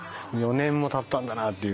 ４年もたったんだなっていう。